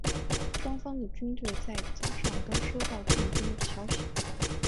双方的军队在早上都收到进军的消息。